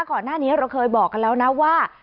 ก่อนหน้านี้เราเคยบอกกันแล้วนะว่า